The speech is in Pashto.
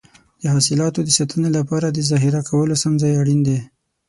د حاصلاتو د ساتنې لپاره د ذخیره کولو سم ځای اړین دی.